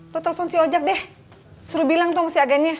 lo telepon si ojek deh suruh bilang tuh sama si agennya